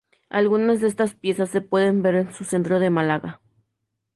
Algunas de estas piezas se pueden ver en su centro de Málaga.